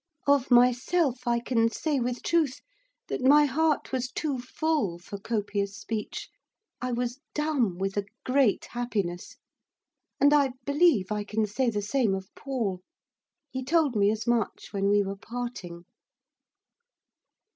Of myself I can say with truth, that my heart was too full for copious speech; I was dumb with a great happiness. And, I believe, I can say the same of Paul. He told me as much when we were parting.